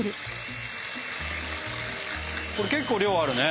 これ結構量あるね。